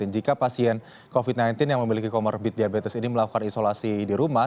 jika pasien covid sembilan belas yang memiliki comorbid diabetes ini melakukan isolasi di rumah